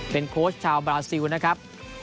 เป็นโค้ชชาวบราซิลนะครับ